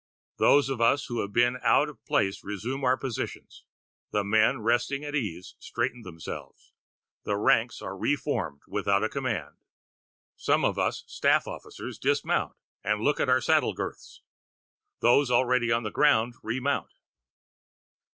Those of us who have been out of place resume our positions; the men resting at ease straighten themselves, and the ranks are reformed without a command. Some of us staff officers dismount and look at our saddle girths; those already on the ground remount.